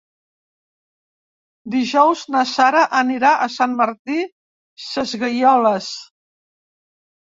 Dijous na Sara anirà a Sant Martí Sesgueioles.